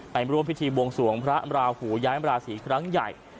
ไปรวมพิธีโบงส่วงมระหูย้ายมระศีครั้งใหญ่